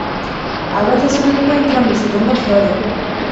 A veces se los encuentran visitando flores.